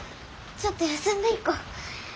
ちょっと休んでいこう。